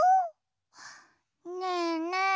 ねえねえ